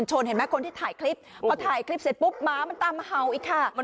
ใช่